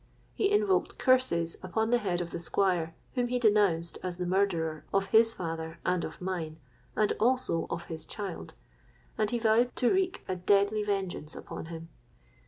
He invoked curses upon the head of the Squire, whom he denounced as the murderer of his father and of mine, and also of his child; and he vowed to wreak a deadly vengeance upon him.